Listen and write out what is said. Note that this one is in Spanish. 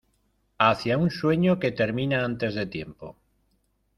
Hacia un sueño que termina antes de tiempo